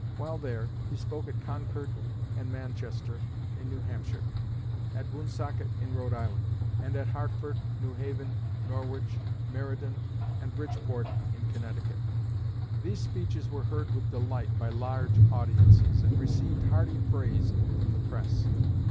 While there he spoke at Concord and Manchester in New Hampshire; at Woonsocket in Rhode Island; and at Hartford, New Haven, Norwich, Meriden, and Bridgeport in Connecticut. These speeches were heard with delight by large audiences, and received hearty praise from the press.